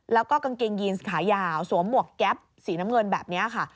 แล้วก็กางเกงยีนขายาวสวมหมวกแก๊ปสีน้ำเงินแบบนี้ค่ะ